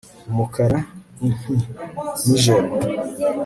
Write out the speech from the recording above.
Umukara inky nijoro